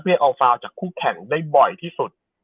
เรียงเอาฟังใจของคู่แข่งได้บ่อยที่สุด